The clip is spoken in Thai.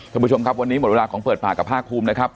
คุณผู้ชมครับวันนี้หมดเวลาของเปิดปากกับภาคภูมินะครับ